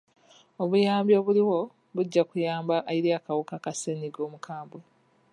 Obuyambi obuliwo bujja kuyambako eri akawuka ka ssenyiga omukambwe.